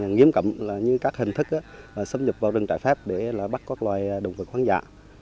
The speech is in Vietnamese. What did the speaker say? nghiêm cẩm như các hình thức xâm nhập vào rừng trái phép để bắt các loài động vật hoang dã